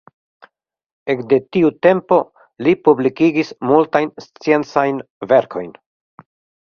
Ekde tiu tempo li publikigis multajn sciencajn verkojn.